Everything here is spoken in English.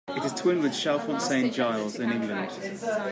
It is twinned with Chalfont Saint Giles in England.